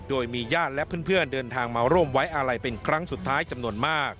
โดยมีญาติและเพื่อนเดินทางมาร่วมไว้อาลัยเป็นครั้งสุดท้ายจำนวนมาก